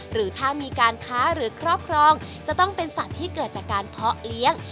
หรือถ้ามีการค้าหรือครอบครองจะต้องเป็นสัตว์ที่เกิดจากการเพาะเลี้ยง